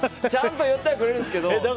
ちゃんと寄ってはくれるんですけど。